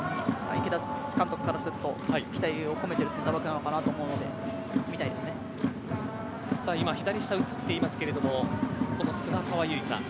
池田監督からすると期待を込めている選手なのかなと思うので今、左下映っていますけれども菅澤優依香。